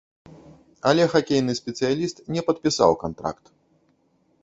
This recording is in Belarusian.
Але хакейны спецыяліст не падпісаў кантракт.